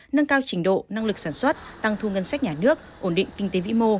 nâng cao trình độ năng lực sản xuất tăng thu ngân sách nhà nước ổn định kinh tế vĩ mô